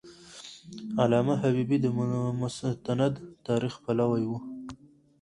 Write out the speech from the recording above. علامه حبیبي د مستند تاریخ پلوی و.